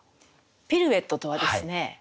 ピルエットとはですね